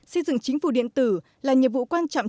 xây dựng chính phủ điện tử là nhiệm vụ quan trọng